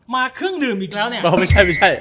มาเครื่องดื่มอีกแล้วเนี่ย